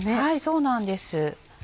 そうなんです。